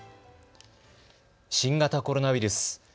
新型コロナウイルス。